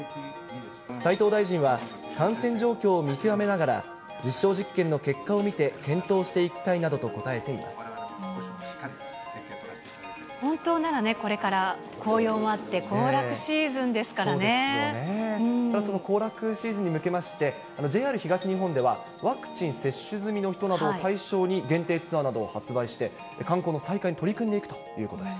斉藤大臣は、感染状況を見極めながら、実証実験の結果を見て、検討していきたいなどと答えてい本当ならね、これから紅葉もそうですよね、ただその行楽シーズンに向けまして、ＪＲ東日本では、ワクチン接種済みの人などを対象に限定ツアーなどを発売して、観光の再開に取り組んでいくということです。